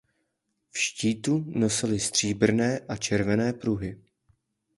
Ve štítu nosili stříbrné a červené pruhy.